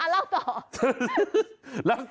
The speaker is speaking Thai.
อ๋อเอาเล่าต่อ